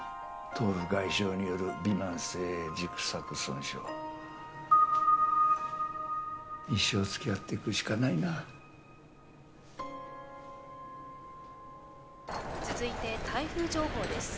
頭部外傷によるびまん性軸索損傷一生付き合っていくしかないな続いて台風情報です